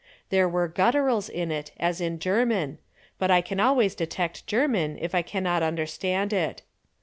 There were gutturals in it as in German, but I can always detect German if I cannot understand it.